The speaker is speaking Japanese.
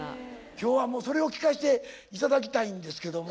今日はもうそれを聴かしていただきたいんですけども。